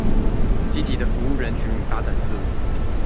積極的服務人群與發展自我